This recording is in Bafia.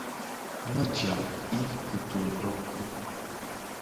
Medyan i kiton lonkin.